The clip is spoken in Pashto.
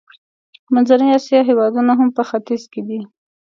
منځنۍ اسیا هېوادونه هم په ختیځ کې دي.